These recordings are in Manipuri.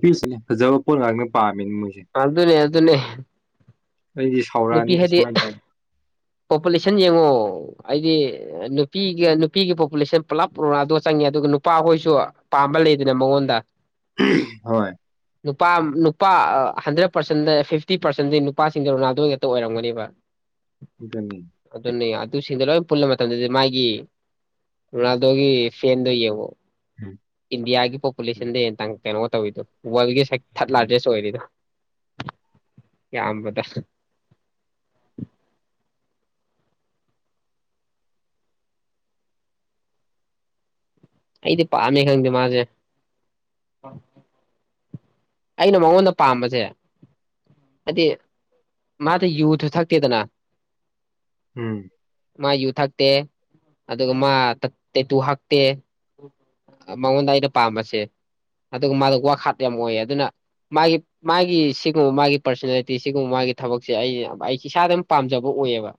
ꯄꯤꯁꯅꯦ ꯐꯖꯕ ꯅꯤ ꯄꯔ ꯑꯗꯨꯅꯦ ꯑꯗꯨꯅꯦ ꯑꯩꯗꯤ ꯅꯨꯄꯤ ꯁꯥꯎꯔꯛꯑꯅꯤ ꯍꯥꯏꯗꯤ ꯁꯨꯃꯥꯏꯅ ꯇꯧ ꯄꯣꯄꯨꯂꯦꯁꯟ ꯌꯦꯡꯉꯣ ꯍꯥꯏꯗꯤ ꯅꯨꯄꯤꯒ ꯅꯨꯄꯤꯒꯤ ꯄꯣꯄꯨꯂꯦꯁꯟ ꯄꯨꯂꯞ ꯄꯨꯔꯛꯗꯣ ꯆꯪꯉꯦ ꯑꯗꯨꯒ ꯅꯨꯄꯥ ꯍꯈꯣꯏꯁꯨ ꯄꯥꯝꯕ ꯂꯩꯗꯅ ꯃꯉꯣꯟꯗ ꯍꯣꯏ ꯅꯨꯄꯥ ꯅꯨꯄꯥ ꯍꯟꯗ꯭ꯔꯦꯠ ꯄꯥꯔꯁꯦꯟꯗ ꯐꯤꯐꯇꯤ ꯄꯥꯔꯁꯦꯟꯗꯤ ꯅꯨꯄꯥꯁꯤꯡꯗ ꯔꯣꯅꯥꯗ ꯑꯣꯏꯒ ꯇ ꯑꯣꯏꯔꯝꯒꯅꯦꯕ ꯑꯗꯨꯅꯤ ꯑꯗꯨꯗ ꯅ ꯑꯗꯨ ꯑꯗꯨ ꯁꯤꯗꯂ ꯄꯨꯜꯂ ꯃꯇꯝꯗꯗꯤ ꯃꯥꯒꯤ ꯔꯣꯅꯥꯜꯗꯣꯒꯤ ꯐꯦꯟꯗꯣ ꯌꯦꯡꯉꯣ ꯏꯟꯗꯤꯌꯥꯒꯤ ꯄꯣꯄꯨꯂꯦꯁꯟꯗꯦ ꯌꯦꯟ ꯇꯪ ꯅꯣꯣꯏꯗ ꯎ ꯋꯥ ꯍꯦꯛ ꯊꯥꯔꯠ ꯂꯥꯔꯖꯦꯁ ꯑꯣꯏꯔꯤꯗꯣ ꯀꯝꯝꯕꯊ ꯑꯩꯗꯤ ꯄꯥꯝꯃꯦ ꯈꯪꯗꯦ ꯃꯥꯁꯦ ꯑꯩꯅ ꯃꯉꯣꯟꯗ ꯄꯥꯝꯕꯁꯦ ꯍꯥꯏꯗꯤ ꯃꯥꯗꯤ ꯌꯨꯁꯨ ꯊꯛꯇꯦꯗꯅ ꯎꯝ ꯃꯥ ꯌꯨꯊ ꯦ ꯑꯗꯨꯒ ꯃꯥ ꯇꯦꯇꯨ ꯍꯇꯦ ꯃꯉꯣꯟꯗ ꯑꯩꯅ ꯄꯥꯝꯕꯁꯦ ꯑꯗꯨꯒ ꯃꯥꯗ ꯋꯥꯈꯥꯠ ꯌꯥꯝ ꯑꯣꯏ ꯑꯗꯨꯅ ꯃꯥꯒꯤ ꯃꯥꯒꯤ ꯁꯤꯒꯨꯝꯕ ꯃꯥꯒꯤ ꯄꯔꯁꯣꯅꯦꯂꯤꯇꯤ ꯁꯤꯒꯨꯝꯕ ꯃꯥꯒꯤ ꯊꯕꯛꯁꯦ ꯑꯩ ꯑꯩꯁ ꯏꯁꯥꯗꯝ ꯄꯥꯝꯖꯕ ꯑꯣꯏꯑꯕ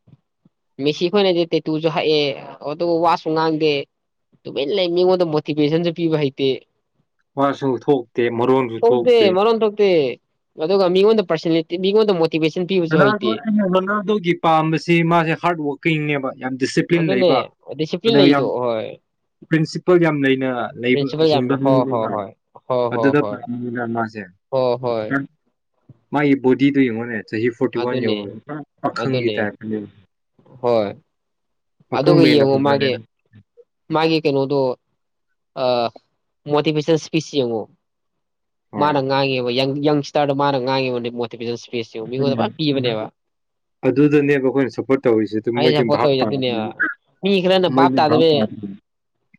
ꯃꯤꯦꯁꯤ ꯑꯩꯈꯣꯏꯅꯗꯤ ꯇꯦꯇꯨꯁꯨ ꯍꯛꯑꯦ ꯑꯗꯨꯕꯨ ꯋꯥꯁꯨ ꯉꯥꯡꯗꯦ ꯑꯗꯨꯃꯅ ꯂꯩ ꯃꯤꯉꯣꯟꯗ ꯃꯣꯇꯤꯚꯦꯁꯟꯁꯨ ꯄꯤꯕ ꯍꯩꯇꯦ ꯃꯥꯁꯤꯡ ꯊꯣꯛꯇꯦ ꯃꯔꯣꯟꯁꯨ ꯊꯣꯛꯇ ꯊꯣꯛꯇꯦ ꯃꯔꯣꯟ ꯊ ꯊꯣꯛꯣꯛꯇ ꯑꯗꯨꯒ ꯃꯤ ꯄꯔꯁ ꯃꯤ ꯃ ꯅꯥ ꯅꯅꯥꯗꯣꯒꯤ ꯄꯥꯝꯕꯁꯤ ꯃꯥꯁꯦ ꯍꯥꯔꯗ ꯋꯥꯔꯀꯤꯡꯅꯦꯕ ꯌꯥꯝ ꯗꯤꯁꯤꯄ꯭ꯂꯤꯟ ꯂꯩꯕ ꯑꯗꯨꯅꯦ ꯗꯤꯁꯤꯄ꯭ꯂꯤꯟ ꯑꯗꯣ ꯂꯩꯗꯣ ꯌꯥꯝ ꯄ꯭ꯔꯤꯟꯁꯤꯄꯜ ꯌꯥꯝ ꯂꯩꯅ ꯂꯩꯕ ꯄꯤꯟꯁꯤꯄꯥꯜ ꯍꯤꯡꯕ ꯌꯥꯝꯝꯅ ꯍꯣ ꯍꯣ ꯍꯣꯏ ꯍ ꯍꯣ ꯍꯣꯏ ꯦ ꯍ ꯍꯣꯏ ꯃꯥꯥꯏ ꯣꯗꯤ ꯇ ꯏꯉꯣꯟꯦ ꯍ ꯐꯣꯇꯤ ꯋꯥꯟ ꯑꯗꯨꯅꯦ ꯑꯈꯪꯒꯤ ꯑꯗꯨꯅꯦ ꯇ ꯍꯥꯏ ꯍꯣꯏ ꯑꯗꯨꯒ ꯌꯦꯡꯉꯣ ꯃꯥꯒꯤ ꯃꯥꯒꯤ ꯀꯩꯅꯣꯗꯣ ꯑ ꯃꯣꯚꯁꯟ ꯁꯄꯤꯁꯤꯣ ꯍꯣꯏ ꯃꯥꯪꯉꯦꯕ ꯌꯥꯡ ꯌꯪꯁꯇꯥꯔꯗꯣ ꯃꯥꯅ ꯉꯥꯡꯉꯤꯕꯅꯤ ꯃꯣꯏ ꯑꯗꯨꯗꯅꯦꯕ ꯑꯩꯈꯣꯏꯅ ꯁꯞꯄꯣꯔꯠ ꯇꯧꯔꯤꯁꯤꯦ ꯑꯗꯨꯝ ꯃꯣꯏꯗꯤ ꯚꯥꯞ ꯇꯥꯅꯕ ꯃꯤꯈꯅ ꯞ ꯇꯥꯗ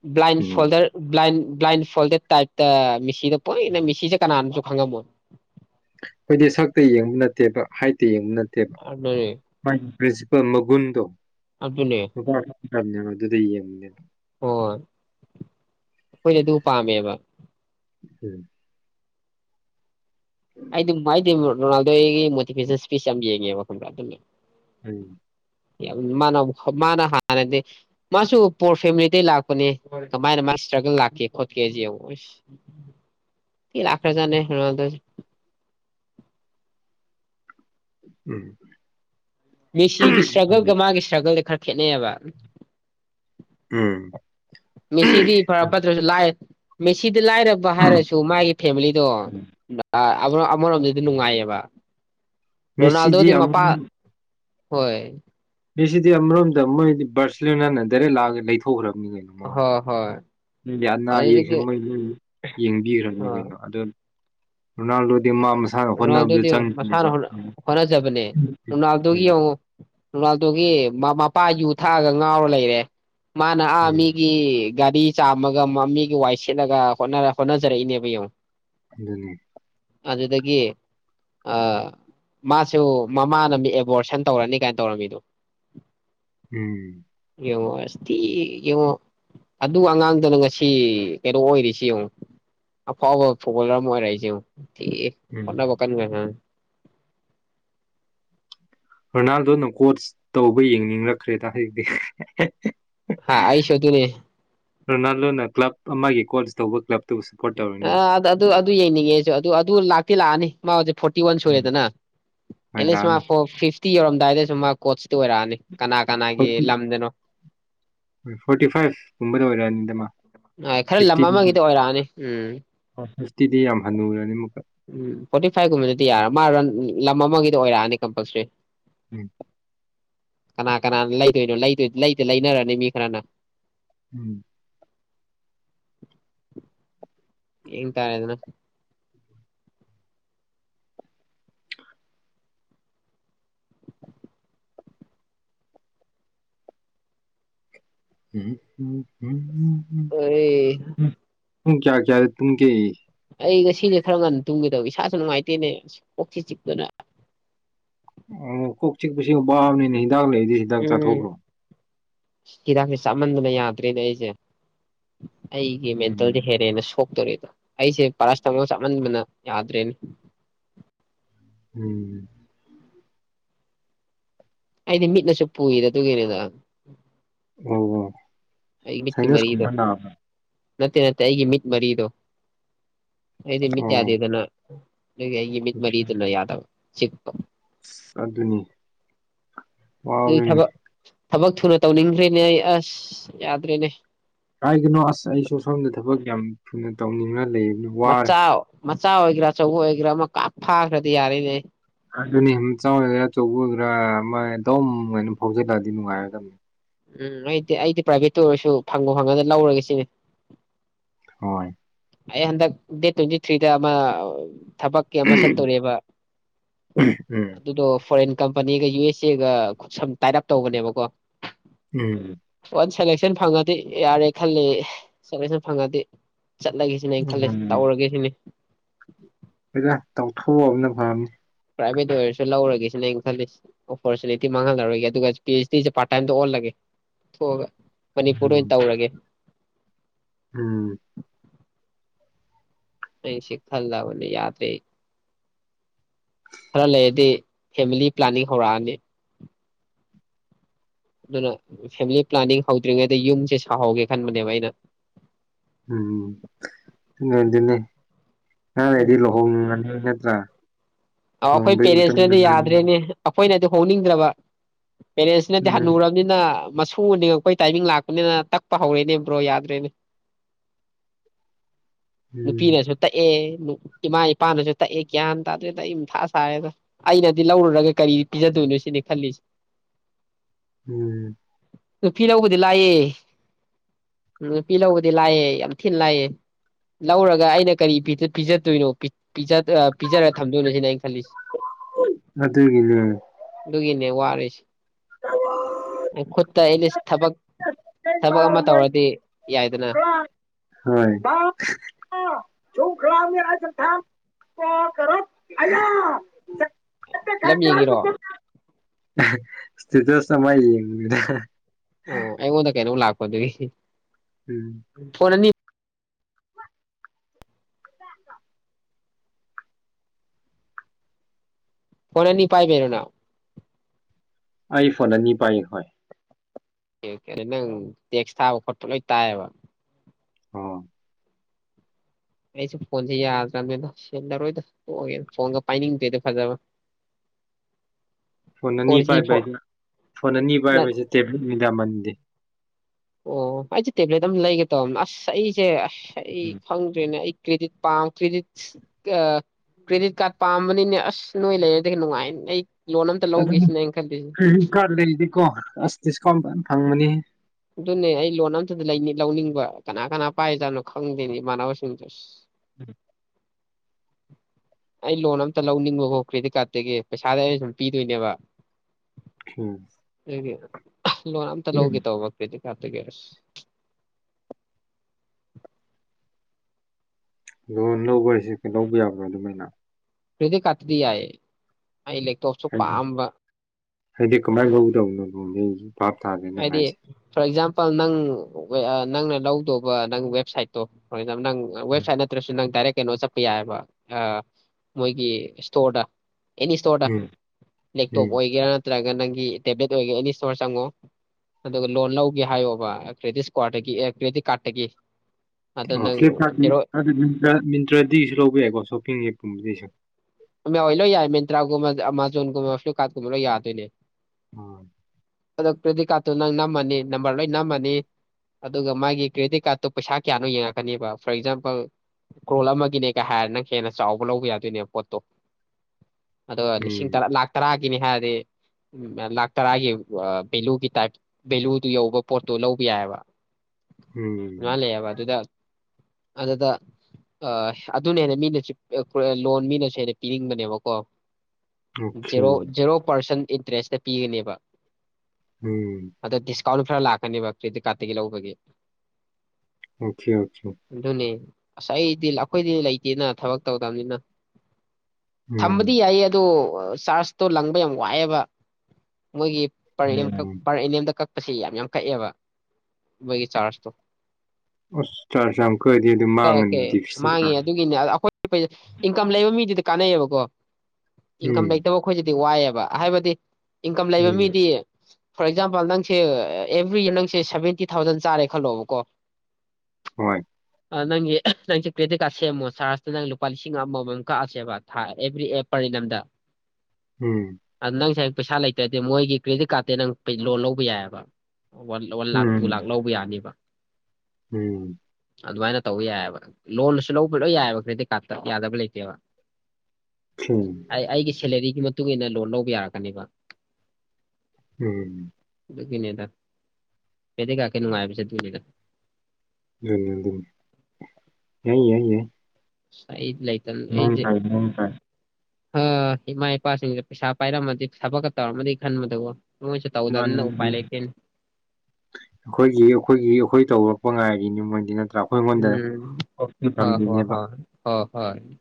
꯭ꯂꯥꯏꯟ ꯐꯣ꯭ꯂꯟ ꯐꯣꯔ ꯇꯥꯏꯞꯇ ꯃꯤꯁꯤꯗ ꯄꯣꯛꯛꯏꯅ ꯃꯤꯁꯤꯁꯦ ꯀꯅꯥꯅꯁꯨ ꯈꯪꯉꯝꯃꯣꯏ ꯑꯩꯣꯏꯗꯤ ꯁꯛꯇ ꯌꯦꯡꯕ ꯅꯠꯇꯦꯕ ꯍꯥꯏꯠꯇ ꯌꯦꯡꯕ ꯅꯠꯇꯦ ꯠꯇꯕ ꯑꯗꯨꯅꯦ ꯃꯥꯒꯤ ꯄ꯭ꯔꯤꯟꯁꯤꯄꯥꯜ ꯃꯒꯨꯟꯗꯣ ꯑꯗꯨꯅꯦ ꯃꯕꯅꯦ ꯑꯗꯨꯗ ꯌꯦꯡꯗꯦꯅ ꯍꯣꯏ ꯑꯩꯈꯣꯏꯅ ꯑꯗꯨ ꯄꯥꯝꯃꯦꯕ ꯎꯝ ꯑꯩꯗꯤ ꯍꯥꯏꯗꯤ ꯔꯣꯅꯥꯜꯗꯣꯒꯤ ꯃꯣꯇꯤꯚꯦꯁꯟ ꯏꯁꯄꯤꯆ ꯌꯥꯝ ꯌꯦꯡꯉꯦ ꯋꯥꯈꯐꯝꯗ ꯑꯗꯨꯝ ꯎꯝ ꯌꯥꯝ ꯃꯥꯅ ꯃꯥꯅ ꯍꯥꯟꯅꯗꯤ ꯃꯥꯁꯨ ꯄꯣꯔ ꯐꯦꯃꯤꯂꯤꯗ ꯂꯥꯛꯄꯅꯦ ꯀꯃꯥꯏꯅ ꯃꯥ ꯏꯁꯇ꯭ꯔꯒꯜ ꯂꯥꯛꯀꯦ ꯈꯣꯠꯀꯦ ꯌꯦꯡꯉꯣꯏ ꯁꯤ ꯂꯥꯛꯈ꯭ꯔꯖꯥꯠꯅꯤ ꯎꯝ ꯦꯁꯤꯒꯤ ꯏꯁꯇ꯭ꯔꯒꯜꯒ ꯃꯥꯒꯤ ꯏꯁꯇ꯭ꯔꯒꯜꯗ ꯈꯔ ꯈꯦꯅꯦꯕ ꯎꯝ ꯃꯤꯁꯤꯗꯤ ꯐꯔ ꯎꯝ ꯄꯠꯇ꯭ꯔꯁꯨ ꯂꯥꯛꯑ ꯃꯦꯁꯤꯗ ꯁꯤ ꯂꯥꯏꯔꯕ ꯍꯥꯏꯔꯁꯨ ꯃꯥꯒꯤ ꯐꯦꯃꯤꯂꯤꯗꯣ ꯎꯝ ꯑꯗꯨꯕ ꯑꯃꯔꯣꯝꯗꯗꯤ ꯅꯨꯡꯉꯥꯏꯌꯦꯕ ꯃꯦꯁꯤꯗꯤ ꯔꯣꯅꯥꯜꯗꯣꯗꯤ ꯑ ꯃꯄꯥ ꯍꯣꯏ ꯃꯤꯁꯤꯗꯤ ꯑꯃꯔꯣꯝꯗ ꯃꯣꯏꯗꯤ ꯕꯔꯁꯂꯤꯅꯥꯅ ꯗꯥꯏꯔꯦꯛ ꯂꯥꯛꯑꯒ ꯂꯩꯊꯣꯛꯈ꯭ꯔꯕ ꯄꯨꯛꯡ ꯑꯣꯏꯅ ꯍꯣꯏ ꯍꯣꯏ ꯃꯥꯗꯦ ꯑꯅꯥ ꯑꯌꯦꯛꯁ ꯑꯗꯨꯗꯒꯤ ꯃꯣꯏ ꯌꯦꯡꯕꯤꯈ꯭ꯔꯅꯦ ꯀꯩꯅꯣ ꯑꯗꯣ ꯔꯅꯥꯜ ꯔꯣ ꯔꯣꯅꯥꯜꯗꯣꯗꯤ ꯃꯁꯥꯅ ꯎꯝ ꯍꯣꯠꯅꯖꯕꯅꯦ ꯔꯣꯅꯥꯜꯗꯣꯒꯤ ꯎꯝ ꯔꯣꯅꯥꯜꯗꯣꯒꯤ ꯄꯥ ꯌꯨ ꯊꯥꯛꯑꯒ ꯉꯥꯎꯔ ꯂꯩꯔꯦ ꯃꯥꯅ ꯑꯥ ꯎꯝ ꯃꯤꯒꯤ ꯒꯥꯔꯤ ꯆꯥꯝꯃꯒ ꯃꯃꯤꯒꯤ ꯋꯥꯏ ꯁꯦꯠꯂꯒ ꯍꯣꯠꯅꯖꯔꯛꯏꯅꯦꯕ ꯌꯦꯡꯉ ꯑꯗꯨꯅꯤ ꯑꯗꯨꯗ ꯒꯤ ꯃꯥꯁꯨ ꯃꯃꯥꯅ ꯃꯤ ꯑꯦꯕꯣꯔꯁꯟ ꯇꯧꯔꯅꯤ ꯀꯥꯏꯅ ꯇꯧꯔꯃꯤꯗ ꯎꯝ ꯌꯦꯡꯉꯣ ꯑꯁ ꯊꯤ ꯌꯦꯡꯉꯣ ꯑꯗꯨꯒ ꯑꯉꯥꯡꯗꯨꯅ ꯉꯁꯤ ꯀꯩꯅꯣ ꯑꯣꯏꯔꯤꯁꯤ ꯌꯦꯡꯉꯣ ꯑꯐꯥꯎꯕ ꯐꯨꯠꯕꯣꯂꯔ ꯑꯃ ꯑꯣꯏꯔꯛꯏꯁ ꯌꯦꯡꯉꯣ ꯊꯤ ꯎꯝ ꯑꯣꯟꯅ ꯄꯀꯅꯤꯒ ꯔꯣꯅꯥꯜꯗꯣꯅ ꯀꯣꯆ ꯇꯧꯕ ꯌꯦꯡꯅꯤꯡꯂꯛꯈ꯭ꯔꯦꯗ ꯍꯧꯖꯤꯛꯇꯤ ꯍꯥꯥ ꯑꯁ ꯑꯗꯨꯨꯅꯦ ꯔꯣꯅꯥꯜꯗꯣꯅ ꯀ꯭ꯂꯕ ꯑꯃꯒꯤ ꯀꯣꯔꯣꯁ ꯇꯧꯕ ꯀ꯭ꯂꯕ ꯑ ꯑꯗꯨ ꯑꯗꯨ ꯌꯦꯡꯅꯤꯡꯉꯦꯁꯨ ꯑꯗꯨ ꯑꯗꯨ ꯂꯥꯑꯅꯤ ꯃꯥꯎꯖ ꯐꯇꯤ ꯋꯥꯟ ꯑꯩꯗꯤ ꯁꯣꯏꯦꯇꯁ ꯃꯥꯏ ꯂꯥꯛꯑꯅꯤ ꯐ ꯇꯤ ꯌꯧꯔꯝꯗꯥꯏꯗꯁꯨ ꯃꯥ ꯀꯣꯠꯁꯤꯇ ꯑꯣꯏꯔꯛꯑꯅꯤ ꯀꯅꯥ ꯀꯅꯥꯒꯤ ꯂꯝꯗꯅꯣ ꯐꯣꯔꯇꯤ ꯐꯥꯏꯚꯀꯨꯝꯕꯗ ꯑꯣꯏꯔꯛꯑꯅꯤꯗꯃ ꯐꯤꯐꯇꯤ ꯎ ꯐꯤꯐꯇꯤꯗꯤ ꯌꯥꯝ ꯍꯟꯅꯨꯔꯅꯤ ꯑꯃꯨꯛꯀ ꯎ ꯐꯣꯔꯇꯤ ꯐꯥꯏꯚ ꯀꯨꯝꯕꯗꯗꯤ ꯂꯝ ꯑꯃꯒꯤꯗ ꯑꯣꯏꯔꯛꯑꯅꯤ ꯀꯝꯄꯜꯁꯔꯤ ꯎꯝ ꯀꯅꯥ ꯀꯅꯥꯅ ꯂꯩꯗꯣꯏꯅꯣ ꯂꯩꯇ ꯂꯩꯅꯔꯅꯤ ꯃꯤ ꯈꯔꯅ ꯎꯝ ꯌꯦꯡ ꯇꯥꯔꯦ ꯑꯗꯨꯅ ꯎꯝ ꯎꯝ ꯎꯝ ꯎꯝ ꯎꯝ ꯑꯩ ꯎꯝ ꯄꯨꯡ ꯀꯌꯥ ꯀꯌꯥ ꯇꯨꯨꯝꯒꯦ ꯑꯩ ꯉꯁꯤꯁꯦ ꯈꯔ ꯉ ꯇꯨꯝꯒꯦꯗꯧ ꯏꯁꯥꯁꯨ ꯅꯨꯡꯉꯥꯏꯇꯦꯅꯦ ꯀꯣꯛꯁꯤ ꯆꯤꯛꯄꯅ ꯀꯣꯛ ꯆꯤꯛꯄꯁꯦ ꯋꯥꯕꯅꯤꯅꯦ ꯍꯤꯟꯗꯥꯡꯅ ꯑꯩꯗꯤ ꯍꯦꯟꯗꯥꯡ ꯎꯝ ꯆꯥꯊꯣꯛꯈ꯭ꯔꯣ ꯍꯤꯗꯥꯛꯁꯦ ꯆꯥꯃꯟꯗꯅ ꯌꯥꯗ꯭ꯔꯦꯅꯦ ꯑꯩꯁꯦ ꯑꯩꯒꯤ ꯃꯦꯟꯇꯦꯜꯗꯤ ꯎꯝ ꯍꯦ ꯍꯦꯟꯅ ꯁꯣꯛ ꯗꯣ ꯑꯩꯁꯦ ꯄꯔꯥꯁ ꯇ ꯆꯞꯃꯟꯕꯅ ꯌꯥꯗ꯭ꯔꯦꯅꯦ ꯎꯝ ꯑꯩꯗꯤ ꯃꯤꯠꯅꯁꯨ ꯄꯨꯏꯗꯦ ꯑꯗꯨꯒꯤꯅꯤꯗ ꯑ ꯋꯥ ꯑꯩ ꯃꯤꯠꯀꯤ ꯁꯥꯏꯅꯁꯀꯣꯟ ꯃꯔꯤꯗꯣ ꯅꯠꯇꯦ ꯅꯠꯇꯦ ꯑꯩꯒꯤ ꯃꯤꯠ ꯃꯔꯤꯗꯣ ꯑꯩꯗꯤ ꯃꯤꯗ ꯑꯣ ꯍꯥꯏꯗꯦꯗꯅ ꯎꯝ ꯂꯩꯃꯤꯠ ꯑꯣꯀꯦ ꯃꯔꯤꯗꯅ ꯌꯥꯗꯕ ꯆꯤ ꯑꯗꯨꯅꯤ ꯑꯩ ꯋꯥꯕꯅꯤꯅꯦ ꯊꯕ ꯊꯕꯛ ꯊꯨꯅ ꯇꯧꯅꯤꯡꯈ꯭ꯔꯦꯅꯦ ꯑꯩ ꯑꯁ ꯌꯥꯗ꯭ꯔꯦꯅꯦ ꯀꯥꯏꯒꯤꯅꯣ ꯑꯁ ꯑꯩꯁꯨ ꯁꯣꯝꯗ ꯊꯕꯛ ꯌꯥꯝ ꯊꯨꯅ ꯇꯧꯅꯤꯡꯉ ꯂꯩ ꯋꯥꯔ ꯃꯆꯥ ꯃꯆꯥ ꯑꯣꯏꯒꯦꯔꯥ ꯑꯆꯧꯕ ꯑꯣꯏꯒꯦꯔꯥ ꯑꯃ ꯀꯥ ꯐꯥꯈ꯭ꯔꯗꯤ ꯌꯥꯔꯤꯅꯦ ꯑꯩ ꯑꯗꯨꯅꯤ ꯌꯥꯝ ꯆꯥꯎꯔꯗꯣꯏꯔꯥ ꯆꯧꯒꯗꯨꯔꯥ ꯑꯃ ꯑꯗꯨꯝ ꯀꯩꯅ ꯐꯥꯎꯖꯤꯜꯂꯛꯑꯗꯤ ꯅꯨꯡꯉꯥꯏꯔꯗꯕꯅꯤ ꯎꯝ ꯑꯩꯗꯤ ꯑꯩꯗꯤ ꯄ꯭ꯔꯥꯏꯚꯦꯠꯇ ꯑꯣꯏꯔꯁꯨ ꯐꯪꯕ ꯐꯪꯉꯗꯤ ꯂꯧꯔꯒꯦ ꯁꯤꯅꯤ ꯍꯣꯏ ꯑꯩ ꯍꯟꯗꯛ ꯗꯦꯠ ꯇ꯭ꯋꯦꯟꯇꯤ ꯊ꯭ꯔꯤꯗ ꯑꯃ ꯊꯕꯛ ꯀꯤ ꯑꯃ ꯆꯠꯇꯔꯤꯕ ꯎꯝ ꯑꯗꯨꯗꯣ ꯐꯣꯔꯦꯟ ꯀꯝꯄꯅꯤꯒ ꯌꯨ ꯑꯦꯁ ꯑꯦꯒ ꯁꯝ ꯇꯥꯏꯠ ꯑꯞ ꯇꯧꯕꯅꯦꯕꯀꯣ ꯎꯝ ꯁꯦꯂꯦꯛꯁꯟ ꯐꯪꯉꯗꯤ ꯌꯥꯔꯦ ꯈꯜꯂꯤ ꯁꯦꯂꯦꯛꯁꯟ ꯐꯪꯉꯗꯤ ꯆꯠꯂꯒꯦꯁꯤꯅꯦ ꯑꯩꯅ ꯈꯜꯂꯁꯤ ꯇ ꯂꯧꯔꯒꯦ ꯁꯤꯅꯦ ꯍꯗ ꯇꯥꯎꯊꯣꯛꯑꯕꯅ ꯐꯪꯅꯤ ꯄ꯭ꯔꯥꯏꯚꯦꯠ ꯑꯣꯏꯔꯁꯨ ꯂꯧꯔꯒꯦꯁꯤꯅ ꯑꯩꯅ ꯈꯜꯂꯤ ꯑꯣꯄꯣꯔꯆꯨꯅꯤꯇꯤ ꯃꯥꯡꯍꯜꯂꯔꯣꯏꯒꯦ ꯑꯗꯨꯒ ꯄꯤ ꯑꯩꯆ ꯗꯤꯁꯦ ꯄꯥꯔꯠ ꯇꯥꯏꯝꯗ ꯑꯣꯜꯂꯒꯦ ꯊꯣꯛꯑꯒ ꯃꯅꯤꯄꯨꯔ ꯑꯣꯏꯅ ꯇꯧꯔꯒꯦ ꯎꯝ ꯑꯩ ꯁꯤ ꯈꯜꯗꯕꯅꯤ ꯌꯥꯗ꯭ꯔꯦ ꯍꯔ ꯂꯩꯦ ꯍꯥꯏꯗꯤ ꯐꯦꯃꯤꯂꯤ ꯄ꯭ꯂꯥꯟꯅꯤꯡ ꯍꯧꯔꯅꯤ ꯑꯗꯨꯅ ꯐꯦꯃꯤꯂꯤ ꯄ꯭ꯂꯥꯅꯤꯡ ꯍꯧꯗ꯭ꯔꯤꯉꯩꯗ ꯌꯨꯝꯁꯦ ꯁꯥꯍꯧꯒꯦ ꯈꯟꯕꯅꯦꯕ ꯑꯩꯅ ꯎꯝꯇ ꯑ ꯑꯦꯗꯤ ꯂꯍꯣꯡ ꯑꯥ ꯑ ꯑꯩꯈꯣꯏ ꯄꯦꯔꯦꯟꯁꯅꯗꯤ ꯌꯥꯗ꯭ꯔꯦꯅꯦ ꯑꯩꯈꯣꯏꯅꯗꯤ ꯍꯧꯣꯡꯅꯤꯡꯗ꯭ꯔꯕ ꯄꯦꯔꯦꯟꯁꯅꯗꯤ ꯎꯝ ꯍꯥꯟꯟꯅꯨꯔꯕꯅꯤꯅ ꯃꯁꯨꯡ ꯅꯤꯡꯉꯛꯄꯩ ꯇꯥꯏꯃꯤꯡ ꯂꯥꯛꯄꯅꯤꯅ ꯇꯛꯄ ꯍꯧꯔꯦꯅꯦꯕ꯭ꯔꯣ ꯌꯥꯗ꯭ꯔꯦꯅꯦ ꯎꯝ ꯅꯨꯄꯤꯤꯅꯦ ꯁꯠꯇ ꯑꯦ ꯏꯃꯥ ꯏꯄꯥꯅꯁꯨ ꯇꯛꯑꯦ ꯒ꯭ꯌꯥꯟ ꯇꯥ ꯑꯗꯨꯗ ꯊꯥ ꯁꯥꯔꯦꯗ ꯑꯩꯅꯗꯤ ꯂꯧꯔꯨꯔꯒ ꯀꯔꯤ ꯄꯤꯖꯗꯣꯏꯅꯣ ꯁꯤꯅꯤ ꯈꯜꯂꯤꯁꯦ ꯎꯝ ꯅꯨꯄꯤ ꯂꯧꯕꯗꯤ ꯂꯥꯛꯑꯦ ꯅꯨꯄꯤ ꯂꯧꯕꯗꯤ ꯂꯥꯛꯑꯦ ꯌꯥꯝ ꯊꯤꯅ ꯂꯥꯛꯑꯦ ꯂꯧꯔꯒ ꯑꯩꯅ ꯀꯔꯤ ꯄꯤꯖꯠꯇꯣꯏꯅꯣ ꯄꯤ ꯄꯤꯖꯔꯒ ꯊꯝꯗꯣꯏꯅꯣ ꯁꯤꯅꯦ ꯑꯩꯩꯅ ꯑꯗꯨꯗꯒꯤꯅꯦ ꯋꯥꯔꯦꯁ ꯑ ꯏ ꯁ ꯊꯕꯛ ꯊꯕꯛ ꯑꯃ ꯇꯧꯔꯗꯤ ꯔ ꯌꯥꯏꯗꯅ ꯃꯩ ꯀ ꯔꯣꯃꯤꯔꯁꯨ ꯊꯝꯣ ꯑ ꯐꯤꯂꯝ ꯌꯦꯡꯉꯤꯔꯣ ꯟ꯭ꯔ ꯏꯁꯇꯤꯇ ꯁꯥꯏꯗ ꯑꯣ ꯑꯩ ꯑꯣꯗ ꯀꯩꯅ ꯎ ꯂꯥꯛ ꯐꯗꯕꯤ ꯎꯝ ꯐꯔꯅꯤ ꯐꯅꯅꯤꯄꯥꯏꯕꯔꯣꯅꯥ ꯑꯥꯏ ꯐꯣꯅꯅꯤꯄꯥꯏ ꯍ ꯑꯣꯀꯦ ꯑꯣꯀꯦ ꯑꯗ ꯅꯪ ꯇꯦꯛꯁ ꯊꯥꯕ ꯈꯣꯠꯄ ꯂꯣꯏ ꯇꯥꯏꯌꯦꯕ ꯑ ꯑꯩꯁꯨꯦ ꯐꯣꯟꯁꯦ ꯌꯥꯗ꯭ꯔꯕꯅꯤꯅ ꯁꯤꯦꯜꯂꯔꯣꯏꯗ ꯇꯑꯒꯦ ꯐꯣꯟꯒ ꯄꯥꯏꯅꯤꯡꯗꯦꯗꯤ ꯐꯖꯕ ꯐꯣꯟ ꯐꯣꯔ ꯑꯅꯤ ꯖꯤ ꯄꯥꯏꯕ ꯐꯣ ꯍꯥꯏꯁꯦ ꯐꯣꯟ ꯑꯅꯤ ꯄꯥꯏꯕ ꯍꯥꯏꯁꯦ ꯇꯦꯕ꯭ꯂꯦꯠ ꯃꯤꯗꯥꯃꯟ [inaudible] ꯑꯣ ꯑꯩꯁꯦ ꯇꯦꯕ꯭ꯂꯦꯠ ꯑꯃ ꯂꯩꯒꯦ ꯇꯧꯕ ꯑꯁ ꯑꯩꯁꯦ ꯑꯩ ꯎꯝ ꯈꯪꯗ꯭ꯔꯦꯅꯦ ꯑꯩ ꯀ꯭ꯔꯦꯗꯤꯠ ꯄꯥꯝ ꯀ꯭ꯔꯦꯗꯤꯠ ꯀ꯭ꯔꯦꯗꯤꯠ ꯀꯥꯔꯠ ꯄꯥꯝꯕꯅꯤꯅꯦ ꯑꯁ ꯅꯣꯏ ꯂꯩꯔꯗꯤ ꯅꯨꯡꯉꯥꯏ ꯑꯩ ꯂꯣꯟ ꯑꯝꯇ ꯑ ꯂꯧꯒꯦꯁꯤꯅꯦ ꯑꯩꯅ ꯈꯜꯂꯤꯁꯦ ꯀ ꯂꯩꯗꯤ ꯀꯣ ꯑꯁꯇꯁ ꯀꯝꯄ ꯍꯥꯡ ꯃꯅꯤ ꯑꯗꯨꯅꯦ ꯑꯩ ꯂꯣꯟ ꯑꯝꯇꯗ ꯂꯧꯅꯤꯡꯕ ꯀꯅꯥ ꯀꯅꯥ ꯄꯥꯏꯖꯥꯠꯅꯣ ꯈꯪꯗꯦꯅꯦ ꯏꯃꯥꯟꯅꯕꯁꯤꯡꯗꯨ ꯎꯝ ꯑꯩ ꯂꯣꯟ ꯑꯝꯇ ꯂꯧꯅꯤꯡꯕꯀꯣ ꯀ꯭ꯔꯦꯗꯤꯠ ꯀꯥꯔꯠꯇꯒꯤ ꯄꯩꯁꯥꯗ ꯑꯩꯅ ꯁꯨꯝ ꯄꯤꯗꯣꯏꯅꯦꯕ ꯊ ꯁꯤ ꯂꯣꯟ ꯑꯃꯝꯇ ꯂꯧꯒꯦ ꯇꯧꯕ ꯈꯦꯒꯦꯔ ꯂꯣ ꯂꯧꯕ ꯍꯥꯏꯁꯤꯦ ꯂꯧꯕ ꯌꯥꯕ꯭ꯔꯥ ꯑꯗꯨꯃꯥꯏꯅ ꯔꯔꯤꯗꯦ ꯀꯇꯗꯤ ꯌꯥꯌꯦ ꯍꯥꯏꯗꯤ ꯍꯥꯏꯗꯤ ꯀꯃꯥꯏꯅ ꯇꯧꯗꯧꯕꯅꯣ ꯅꯣꯅꯦ ꯑꯩꯁꯦ ꯍꯥꯏꯗꯤ ꯐꯔ ꯑꯦꯛꯖꯥꯝꯄꯜ ꯜ ꯅꯪ ꯅꯪꯅ ꯂꯧꯗꯧꯕ ꯅꯪ ꯋꯦꯕꯁꯥꯏꯠꯇꯣ ꯍꯣꯏ ꯅꯪꯦꯕꯁꯥꯏꯠ ꯅꯠꯇ꯭ꯔꯁꯨ ꯅꯪ ꯗꯏꯔꯦꯛ ꯀꯩꯅꯣ ꯆꯠꯄ ꯌꯥꯏꯑꯕ ꯃꯣꯏꯒꯤ ꯏꯁꯇꯣꯔꯗ ꯑꯦꯅꯤ ꯏꯁꯇꯣꯔꯗ ꯎꯝ ꯂꯦꯞꯇꯣꯞ ꯎꯝ ꯑꯣꯏꯒꯦꯔꯥ ꯅꯠꯇ꯭ꯔꯒ ꯅꯪꯒꯤ ꯇꯦꯕ꯭ꯂꯦꯠ ꯑꯣꯏꯒꯦ ꯑꯦꯅꯤ ꯏꯁꯣꯔ ꯆꯪꯉꯣ ꯑꯗꯨꯒ ꯂꯣꯟ ꯂꯧꯒꯦ ꯍꯥꯏꯌꯣꯕ ꯀ꯭ꯔꯦꯗꯤꯠ ꯏꯁꯀ꯭ꯋꯥꯔꯗꯒꯤ ꯑꯦ ꯀ꯭ꯔꯦꯗꯤꯠ ꯀꯥꯔꯗꯠꯇꯒꯤ ꯑꯣ ꯐ꯭ꯂꯤꯞꯀꯥꯔꯠꯀꯤꯇ꯭ꯔ ꯃꯤꯟꯇ꯭ꯔꯗꯤꯁꯨ ꯂꯧꯕꯤ ꯌꯥꯏꯀꯣ ꯁꯣꯞꯄꯤꯡ ꯑꯦꯞꯀꯨꯝꯕꯗꯒꯤꯁꯨ ꯃꯖ ꯀ ꯌꯥꯗꯅꯦ ꯎꯝ [inaudible] ꯀ꯭ꯔꯦꯗꯤꯠ ꯀꯥꯔꯠꯇꯨ ꯅꯪ ꯅꯝꯃꯅꯤ ꯅꯝꯕꯔ ꯂꯣꯏ ꯅꯝꯃꯅꯤ ꯑꯗꯨꯒ ꯃꯥꯒꯤ ꯀ꯭ꯔꯦꯗꯤꯠ ꯀꯥꯔꯠꯇꯨ ꯄꯩꯁꯥ ꯀꯌꯥꯅꯣ ꯌꯦꯡꯉꯛꯀꯅꯦꯕ ꯐꯣꯔ ꯑꯦꯛꯖꯥꯝꯄꯜ ꯀ꯭ꯔꯣꯜ ꯑꯃꯒꯤꯅꯦꯒ ꯍꯥꯏꯔ ꯅꯪ ꯍꯦꯟꯅ ꯆꯥꯎꯕ ꯂꯧꯕ ꯌꯥꯗꯣꯏꯅꯦꯕ ꯄꯣꯠꯇꯣ ꯑꯗꯣ ꯂꯤꯁꯤꯡ ꯂꯥꯛ ꯇꯔꯥ ꯅꯦ ꯍꯥꯏꯗꯤꯦ ꯎ ꯂꯥꯛꯇꯔꯒꯦ ꯚꯦꯂꯨꯒꯤ ꯇꯥꯏꯞ ꯚꯦꯂꯨꯗꯨ ꯌꯧꯕ ꯄꯣꯠꯇꯣ ꯂꯧꯕ ꯌꯥꯏꯑꯕ ꯎꯝ ꯃꯥ ꯂꯩꯦ ꯌꯥꯕ ꯑꯗꯨꯗ ꯑꯗꯨꯗ ꯑꯗꯨꯅ ꯍꯦꯟꯅ ꯃꯤꯅꯁꯨ ꯂꯣꯟ ꯃꯤꯅꯁꯨ ꯍꯦꯟꯅ ꯄꯤꯅꯤꯡꯕꯅꯦꯕꯀꯣ ꯖꯦꯔꯣ ꯖꯦꯔꯣ ꯄꯔꯁꯟ ꯏꯟꯇꯔꯦꯁꯇ ꯄꯤꯒꯅꯦꯕ ꯎꯝ ꯀꯥꯎꯟ ꯈꯔ ꯂꯥꯛꯀꯅꯦꯕ ꯀ꯭ꯔꯦꯗꯤꯠ ꯀꯥꯔꯠꯇꯒꯤ ꯂꯧꯕꯒꯤ ꯑꯣꯀꯦ ꯑꯣꯀꯦ ꯑꯗꯨꯅꯦ ꯑꯁ ꯑꯩꯗꯤ ꯑꯩꯈꯣꯏꯗꯤ ꯂꯩꯇꯦꯅ ꯊꯕꯛ ꯇꯧꯗꯕꯅꯤꯅ ꯊꯝꯕꯗꯤ ꯌꯥꯏ ꯑꯗꯣ ꯆꯥꯔꯖꯇꯣ ꯂꯪꯕ ꯌꯥꯝ ꯋꯥꯏꯌꯦꯕ ꯃꯣꯏꯒꯤ ꯄꯥꯔ ꯑꯦꯅꯝꯗ ꯀꯛꯄꯁꯤ ꯌꯥꯝ ꯌꯥꯝ ꯀꯛꯑꯦꯕ ꯃꯣꯏꯒꯤ ꯆꯥꯔꯖꯇꯣ ꯑꯁ ꯆꯥꯔꯖ ꯌꯥꯝ ꯀꯛꯑꯗꯤ ꯑꯗꯨꯝ ꯀꯛꯑ ꯃꯥꯡꯉꯅꯤ ꯀꯛꯑꯦ ꯗꯤꯐ ꯃꯥꯡꯉꯦ ꯑꯗꯨꯒꯤꯅꯦ ꯑꯩꯈꯣꯏ ꯏꯟꯀꯝ ꯂꯩꯕ ꯃꯤꯗꯨꯗꯤ ꯀꯥꯟꯅꯩꯌꯦꯕꯀꯣ ꯏꯟꯀꯝ ꯂꯩꯇꯕ ꯑꯈꯣꯏꯖꯤꯗꯤ ꯋꯥꯏꯌꯦꯕ ꯍꯥꯏꯕꯗꯤ ꯏꯟꯀꯝ ꯂꯩꯕ ꯃꯤꯗꯤ ꯐꯣꯔ ꯑꯦꯛꯖꯥꯝꯄꯜ ꯅꯪꯁꯦ ꯑꯦꯚ꯭ꯔꯤ ꯅꯪꯁꯦ ꯁꯚꯦꯟꯇꯤ ꯊꯥꯎꯖꯟ ꯆꯥꯔꯦ ꯈꯜꯂꯣꯕꯀꯣ ꯍꯣꯏ ꯅꯪꯒꯤ ꯅꯪꯁꯦ ꯀ꯭ꯔꯦꯗꯤꯠ ꯀꯥꯔꯗ ꯁꯦꯝꯃꯣ ꯆꯥꯔꯖꯇ ꯅꯪ ꯂꯨꯄꯥ ꯂꯤꯁꯤꯡ ꯑꯃꯃꯝ ꯀꯛꯑꯁꯦꯕ ꯑꯦꯕ꯭ꯔꯤ ꯑꯦ ꯄꯔ ꯑꯦꯅꯝꯗ ꯑꯗ ꯅꯪ ꯁꯦ ꯄꯩꯁꯥ ꯂꯩꯇ꯭ꯔꯗꯤ ꯃꯣꯏꯒꯤ ꯀ꯭ꯔꯦꯗꯤꯠ ꯀꯥꯔꯠꯇꯤ ꯅꯪ ꯂꯣꯟ ꯂꯧꯕ ꯌꯥꯏꯌꯦꯕ ꯋꯥꯟ ꯂꯥꯛ ꯇꯨ ꯂꯥꯛ ꯂꯧꯕ ꯌꯥꯅꯤꯕ ꯎꯝ ꯑꯗꯨꯃꯥꯏꯅ ꯇꯧꯕ ꯌꯥꯏꯑꯦꯕ ꯂꯣꯟꯁꯨ ꯂꯧꯕ ꯂꯣꯏ ꯌꯥꯏꯑꯦꯕ ꯀ꯭ꯔꯦꯗꯤꯠ ꯀꯥꯔꯗꯇ ꯌꯥꯗꯕ ꯂꯩꯇꯦꯕ ꯑꯩꯒꯤ ꯁꯦꯂꯔꯤꯒꯤ ꯃꯇꯨꯡꯏꯟꯅ ꯂꯣꯟ ꯂꯧꯕ ꯌꯥꯔꯛꯀꯅꯦꯕ ꯎꯝ ꯑꯗꯨꯒꯤꯅꯦꯗ ꯀꯔꯦꯗꯤꯠ ꯀꯥꯔꯗꯀꯤ ꯅꯨꯡꯉꯥꯏꯕꯁꯦ ꯑꯗꯨꯒꯤꯅꯤꯗ ꯑꯗꯨꯅꯤ ꯑꯗꯨꯅꯤ ꯌꯥꯏ ꯌꯥꯏ ꯌꯥꯏ ꯁꯥꯏ ꯎ ꯐꯥꯏ ꯎꯝ ꯐꯥꯏ ꯑ ꯏꯃꯥ ꯏꯄꯥꯁꯤꯡꯁꯦ ꯄꯩꯁꯥ ꯄꯥꯏꯔꯝꯃꯗꯤ ꯊꯕꯛꯀ ꯇꯧꯔꯝꯃꯗꯤ ꯈꯟꯕꯗꯀꯣ ꯃꯣꯏꯁꯨ ꯃꯥꯅꯤ ꯇꯧꯗꯕꯅꯤꯅ ꯎꯄꯥꯏ ꯂꯩꯇꯦꯅꯦ ꯑꯩꯈꯣꯏꯒꯤ ꯑꯩꯈꯣꯏꯒꯤ ꯑꯩꯈꯣꯏ ꯇꯧꯔꯛꯄ ꯉꯥꯏ ꯅꯤ ꯃꯣꯏꯗꯤ ꯅꯠ ꯑꯩꯈꯣꯏ ꯑꯩꯉꯣꯟꯗ ꯎꯝ ꯑꯣ ꯍꯣꯏ ꯍꯣꯏ ꯐꯝꯃꯤꯅꯦꯕ ꯍꯣꯏ ꯍꯣꯏ ꯍꯣꯏ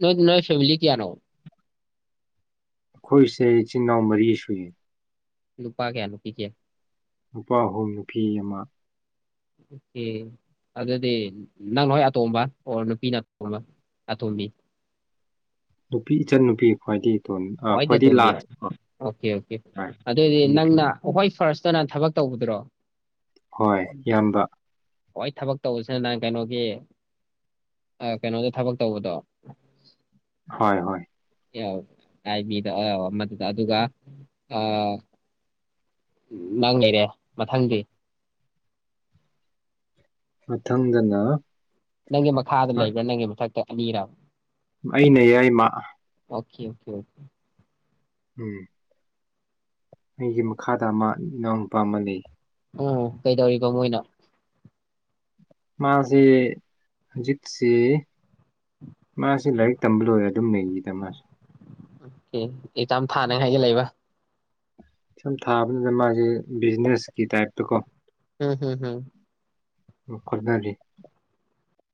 ꯅꯣꯏ ꯅ ꯐꯦꯃꯥꯂꯤ ꯀꯌꯥꯅꯣ ꯑꯩꯈꯣꯏꯁꯦ ꯏꯆꯤꯜ ꯏꯅꯥꯎ ꯃꯔꯤ ꯁꯨꯏ ꯅꯨꯄꯥ ꯀꯌꯥ ꯅꯨꯄꯤ ꯀꯌꯥ ꯅꯨꯄꯥ ꯑꯍꯨꯝ ꯅꯨꯄꯤ ꯑꯃ ꯑꯣ ꯑꯗꯨꯗꯤ ꯅꯪ ꯍꯣꯏ ꯑꯇꯣꯝꯕ ꯑꯣꯔ ꯅꯨꯄꯤꯅ ꯑꯇꯣꯝꯕ ꯑꯇꯣꯝꯕꯤ ꯅꯨꯄꯤ ꯏꯆꯟ ꯅꯨꯄꯤ ꯈ꯭ꯋꯥꯏꯗꯒꯤ ꯏꯇꯣꯟ ꯑ ꯍꯣꯏꯗ ꯈ꯭ꯋꯥꯏꯗꯒꯤ ꯇꯣꯝꯕꯤꯌꯣ ꯂꯥꯁꯅꯤꯀꯣ ꯍꯣꯏ ꯑꯣꯀꯦ ꯑꯣꯀꯦ ꯑꯗꯨꯑꯣꯗꯤ ꯏꯆꯟ ꯅꯨꯄꯤ ꯅꯪꯅ ꯍꯣꯏ ꯐꯥꯔꯁ ꯆꯠꯇꯅ ꯊꯕꯛ ꯇꯧꯕꯗ꯭ꯔꯣ ꯍꯣꯏ ꯏꯟꯕ ꯍꯣꯏ ꯊꯕꯛ ꯇꯧꯕꯁꯤꯅ ꯅꯍꯪ ꯀꯩꯅꯣꯒꯤ ꯀꯩꯅꯣꯗ ꯊꯕꯛ ꯇꯧꯕꯗꯣ ꯍꯣꯏ ꯍꯣꯏ ꯌꯥꯎ ꯍꯥꯏꯥꯏ ꯃꯤꯗ ꯑꯕ ꯑꯃꯗꯨꯗ ꯑꯗꯨꯒ ꯑ ꯅꯪ ꯂꯩꯔꯦ ꯃꯊꯪꯗꯤ ꯃ ꯊꯪꯒꯅꯥ ꯅꯪꯒꯤ ꯃꯈꯥꯗ ꯂꯩꯕ꯭ꯔꯥ ꯅꯪꯒꯤ ꯃꯊꯛꯇ ꯑꯅꯤꯔ ꯑꯩꯅ ꯌꯥꯏꯃ ꯑꯣꯀꯦ ꯑꯣꯀꯦ ꯑꯣꯀꯦ ꯎꯝ ꯑꯩꯒꯤ ꯃꯈꯥꯗ ꯑꯃ ꯅꯝ ꯄꯥꯝꯃ ꯂꯩ ꯎꯝ ꯀꯩꯗꯧꯔꯤꯕꯔꯤꯕꯣ ꯃꯣꯏꯅ ꯃꯥꯁꯤ ꯍꯧꯖꯤꯠꯁꯤ ꯃꯥꯁꯤ ꯂꯩꯥꯏ ꯇꯝꯕ ꯂꯣꯏꯔꯦ ꯑꯗꯨꯝ ꯂꯩꯒꯤꯗ ꯃꯥꯁꯦ ꯑꯣꯦ ꯑꯦꯛꯖꯥꯝ ꯊꯥꯅꯉꯥꯏꯒ ꯂꯩꯕ ꯁꯨꯝ ꯊꯥꯕꯅꯤꯅ ꯃꯥꯁꯦ ꯕꯤꯖꯤꯅꯦꯁꯀꯤ ꯇꯥꯏꯞꯇ ꯀꯣ ꯎꯝ ꯍꯝꯝ ꯎ ꯈꯨꯅꯔꯤ